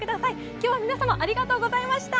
今日は皆様ありがとうございます。